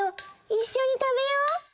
いっしょにたべよう！